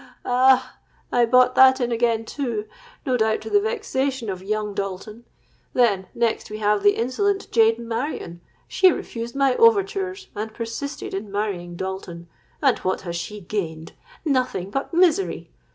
ah! I bought that in again too, no doubt to the vexation of young Dalton. Then, next we have the insolent jade Marion: she refused my overtures, and persisted in marrying Dalton; and what has she gained? Nothing but misery.